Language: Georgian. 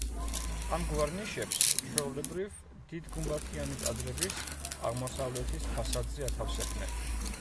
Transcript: ამგვარ ნიშებს ჩვეულებრივ დიდ გუმბათიანი ტაძრების აღმოსავლეთის ფასადზე ათავსებდნენ.